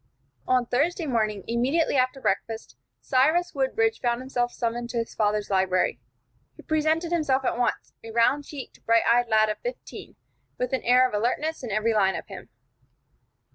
On Thursday morning, immediately after breakfast, Cyrus Woodbridge found himself summoned to his father's library. He presented himself at once, a round cheeked, bright eyed lad of fifteen, with an air of alertness in every line of him.